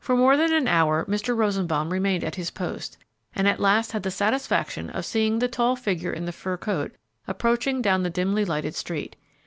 For more than an hour Mr. Rosenbaum remained at his post, and at last had the satisfaction of seeing the tall figure in the fur coat approaching down the dimly lighted street.